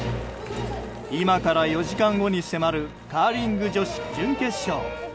今から４時間後に迫るカーリング女子準決勝。